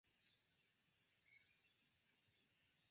Ĉi tie, en arbaro, ili ja havas siajn rifuĝejojn, jes, karuloj.